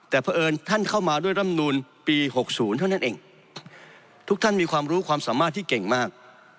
แต่เพราะเอิญท่านเข้ามาด้วยร่ำนูลปี๖๐เท่านั้นเองทุกท่านมีความรู้ความสามารถที่เก่งมาก